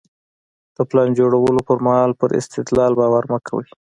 د پلان جوړولو پر مهال پر استدلال باور مه کوئ.